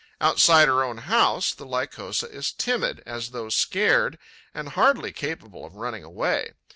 Outside her own house, the Lycosa is timid, as though scared, and hardly capable of running away.